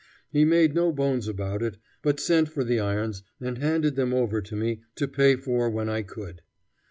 He made no bones about it, but sent for the irons and handed them over to me to pay for when I could.